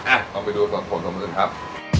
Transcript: อ่ะเราไปดูส่วนผงส่วนผงอื่นครับ